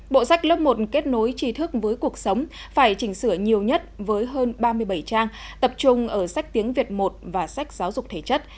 bộ sách lớp một kết nối trí thức với cuộc sống phải chỉnh sửa nhiều nhất với hơn ba mươi bảy trang tập trung ở sách tiếng việt một và sách giáo dục thể chất